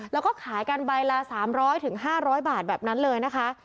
แล้วก็ขายกันใบละสามร้อยถึงห้าร้อยบาทแบบนั้นเลยนะคะ